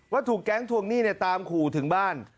ถูกแก๊งทวงหนี้ตามขู่ถึงบ้าน